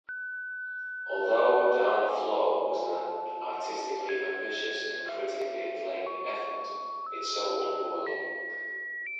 Although "Darn Floor" was an artistically ambitious and critically acclaimed effort, it sold poorly.